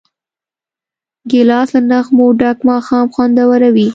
ګیلاس له نغمو ډک ماښام خوندوروي.